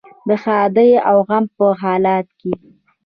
د ښادۍ او غم په حالاتو کې.